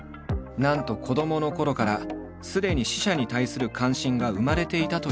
なんと子どものころからすでに死者に対する関心が生まれていたという。